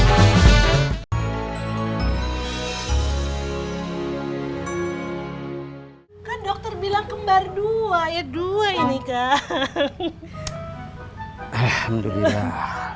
hai dokter bilang kembar dua ya dua ini kak alhamdulillah